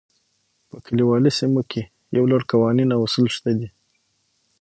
په کلیوالي سیمو کې یو لړ قوانین او اصول شته دي.